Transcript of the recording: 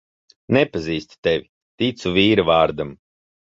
Nepazīstu tevi, ticu vīra vārdam.